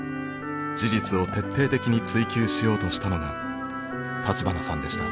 事実を徹底的に追究しようとしたのが立花さんでした。